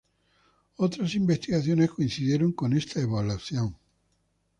Otras investigaciones coincidieron con esta evaluación.